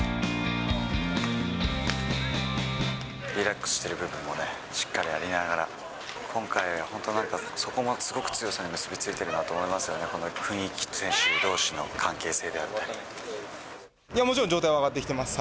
リラックスしてる部分もね、しっかりありながら、今回は本当、なんか、そこが強さに結びついてるなと思いますよね、この雰囲気、選手どもちろん、状態は上がってきてます。